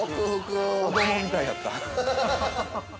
子供みたいやった。